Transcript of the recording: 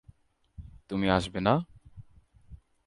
তুমি আসবে না?